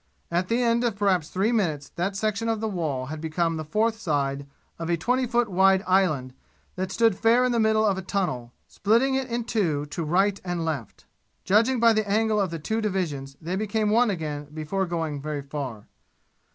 At the end of perhaps three minutes that section of the wall had become the fourth side of a twenty foot wide island that stood fair in the middle of a tunnel, splitting it in two to right and left. Judging by the angle of the two divisions they became one again before going very far.